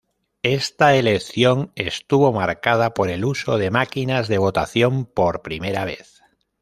Esta elección estuvo marcada por el uso de máquinas de votación por primera vez.